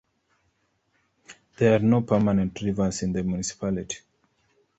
There are no permanent rivers in the municipality.